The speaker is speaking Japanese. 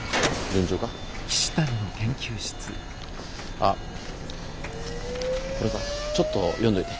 あこれさちょっと読んどいて。